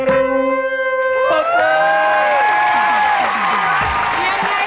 สุดท้าย